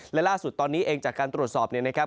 และล่าสุดตอนนี้จากการตรวจสอบ